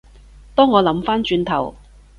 當我諗返轉頭